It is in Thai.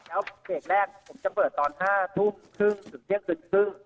แล้วเพกแรกผมจะเปิดตอน๕ทุ่มถึงถึงเที่ยงกึ่ง